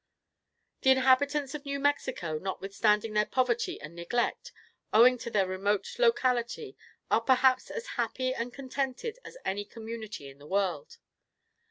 The inhabitants of New Mexico, notwithstanding their poverty and neglect, owing to their remote locality, are perhaps as happy and contented as any community in the world.